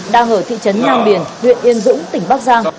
đang ở thị trấn ngang biển huyện yên dũng tỉnh bắc giang